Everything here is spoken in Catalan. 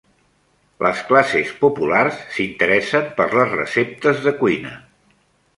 Les classes populars s'interessen per les receptes de cuina.